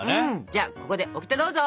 じゃあここでオキテどうぞ！